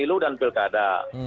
pemilu dan pilkada